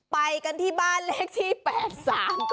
ไปกันที่บ้านเลขที่๘๓ค่ะ